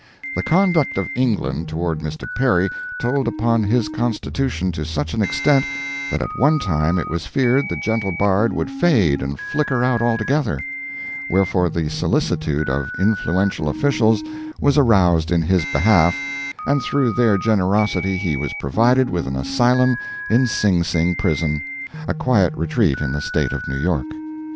The conduct of England toward Mr. Perry told upon his constitution to such an extent that at one time it was feared the gentle bard would fade and flicker out altogether; wherefore, the solicitude of influential officials was aroused in his behalf, and through their generosity he was provided with an asylum in Sing Sing prison, a quiet retreat in the state of New York.